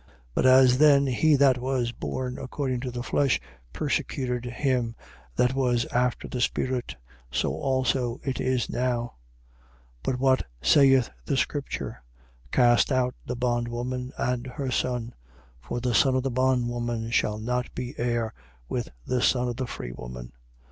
4:29. But as then he that was born according to the flesh persecuted him that was after the spirit: so also it is now. 4:30. But what saith the scripture? Cast out the bondwoman and her son: for the son of the bondwoman shall not be heir with the son of the free woman.